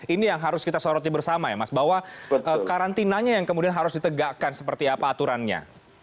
ini yang harus kita soroti bersama ya mas bahwa karantinanya yang kemudian harus ditegakkan seperti apa aturannya